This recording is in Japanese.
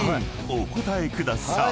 お答えください］